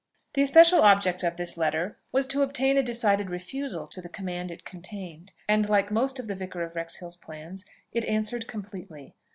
The especial object of this letter was to obtain a decided refusal to the command it contained, and, like most of the Vicar of Wrexhill's plans, it answered completely.